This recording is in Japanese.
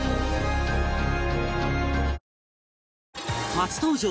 初登場！